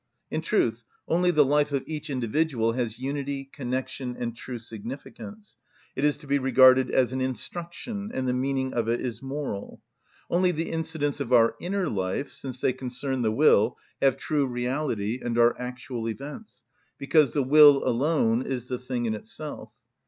In truth, only the life of each individual has unity, connection, and true significance: it is to be regarded as an instruction, and the meaning of it is moral. Only the incidents of our inner life, since they concern the will, have true reality, and are actual events; because the will alone is the thing in itself.